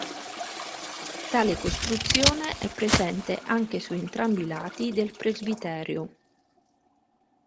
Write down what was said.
Tale costruzione è presente anche su entrambi i lati del presbiterio.